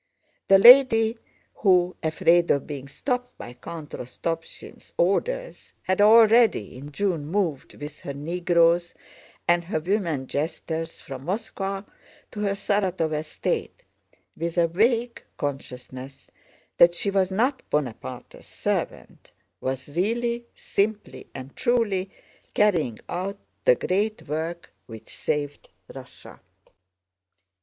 The lady who, afraid of being stopped by Count Rostopchín's orders, had already in June moved with her Negroes and her women jesters from Moscow to her Sarátov estate, with a vague consciousness that she was not Bonaparte's servant, was really, simply, and truly carrying out the great work which saved Russia.